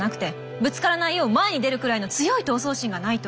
ぶつからないよう前に出るくらいの強い闘争心がないと。